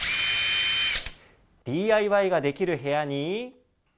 ＤＩＹができる部屋に。